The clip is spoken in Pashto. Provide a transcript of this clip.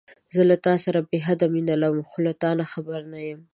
زه له تاسره بې حده مينه لرم، خو له تا خبر نه يم.